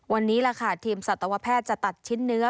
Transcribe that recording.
วันนี้ล่ะค่ะทีมสัตวแพทย์จะตัดชิ้นเนื้อ